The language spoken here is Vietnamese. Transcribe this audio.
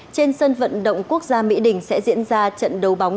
trên sân vận động quốc gia mỹ đình sẽ diễn ra trận đấu bóng